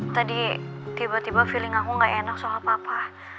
tadi tiba tiba feeling aku gak enak soal papa